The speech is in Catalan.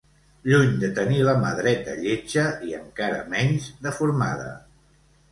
Lluny de tenir la mà dreta lletja, i encara menys deformada